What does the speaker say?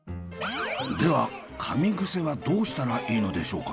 ではかみ癖はどうしたらいいのでしょうか？